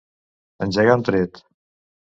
Engegar un tret.